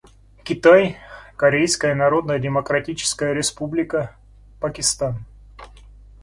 Китай, Корейская Народно-Демократическая Республика, Пакистан.